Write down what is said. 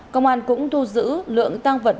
công an cũng thu giữ lượng tăng vật